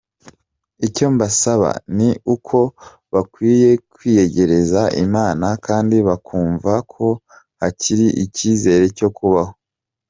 Icyo mbasaba ni uko bakwiye kwiyegereza Imana kandi bakumva ko hakiri icyizere cyo kubaho.